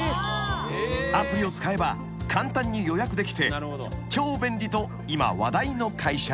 ［アプリを使えば簡単に予約できて超便利と今話題の会社］